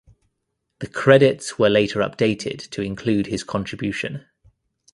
The credits were later updated to include his contribution.